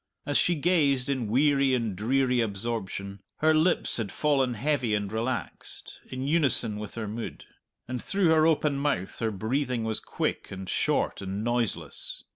As she gazed in weary and dreary absorption her lips had fallen heavy and relaxed, in unison with her mood; and through her open mouth her breathing was quick, and short, and noiseless.